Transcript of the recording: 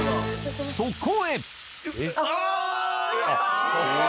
そこへあ！